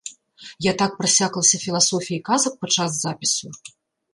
Я так прасяклася філасофіяй казак падчас запісу!!!